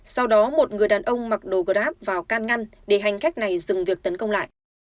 sau đó một người đàn ông mặc đồ grab vào can ngăn để hành khách này dừng việc tấn công lại